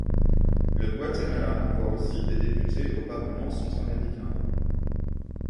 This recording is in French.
Le Guatemala envoie aussi des députés au Parlement centraméricain.